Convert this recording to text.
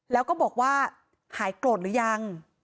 แล้วก็บอกว่าหายโกรธหรือยัง